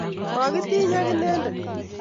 makitiny ak inendet